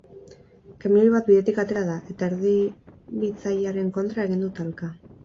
Kamioi bat bidetik atera da, eta erdibitzailearen kontra egin du talka.